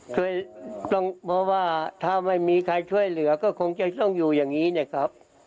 เคยต้องเพราะว่าถ้าไม่มีใครช่วยเหลือก็คงจะต้องอยู่อย่างนี้นะครับ